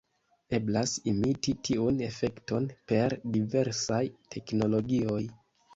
Eblas imiti tiun efekton per diversaj teknologioj.